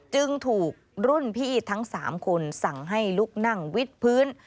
จึงถูกรุ่นพี่ทั้ง๓คนสั่งให้ลุกนั่งวิดพื้น